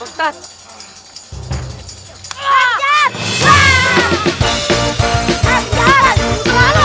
eh indra lumayan cepat